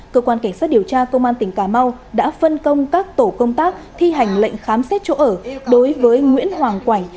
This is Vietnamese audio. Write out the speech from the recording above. cơ quan cảnh sát điều tra công an tỉnh cà mau đã phân công các tổ công tác thi hành lệnh khám xét chỗ ở đối với nguyễn hoàng quảng